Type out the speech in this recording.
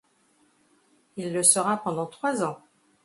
Il le sera pendant trois ans.